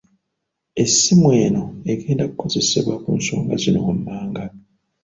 Essimu eno egenda kukozesebwa ku nsonga zino wammanga.